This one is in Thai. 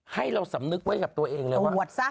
ให้เราสำนึกไว้กับตัวเองเลยว่า